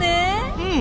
うん！